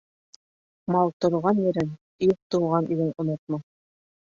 Мал торған ерен, ир тыуған илен онотмаҫ.